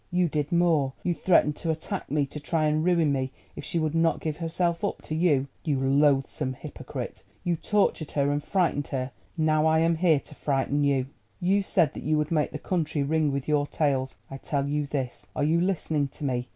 You did more: you threatened to attack me, to try and ruin me if she would not give herself up to you. You loathsome hypocrite, you tortured her and frightened her; now I am here to frighten you. You said that you would make the country ring with your tales. I tell you this—are you listening to me?